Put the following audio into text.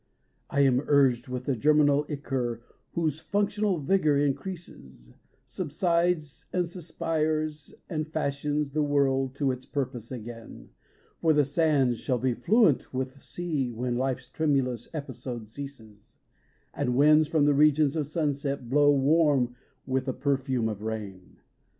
I am urged with the germinal ichor whose functional vigour increases, Subsides and suspires and fashions the world to its purpose again For the sands shall be fluent with sea when life's tremulous episode ceases, And winds from the regions of sunset blow warm with the perfume of rain.